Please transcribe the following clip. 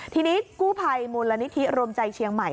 ทีนี้กู้ภัยมูลนิธิรมใจเชียงใหม่